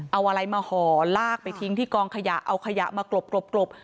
เอาอะไรมาห่อลากไปทิ้งที่กองขยะเอาขยะมากรบ